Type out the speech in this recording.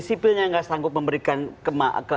sipilnya nggak sanggup memberikan